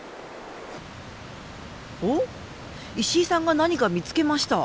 おっ石井さんが何か見つけました。